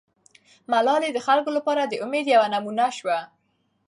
ملالۍ د خلکو لپاره د امید یوه نمونه سوه.